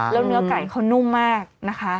แล้วเนื้อไก่เขานุ่มมากนะคะ